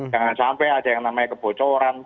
jangan sampai ada yang namanya kebocoran